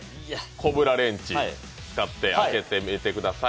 コブラレンチを使って開けてみてください。